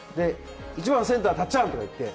１番、セッター・たっちゃんとか言って。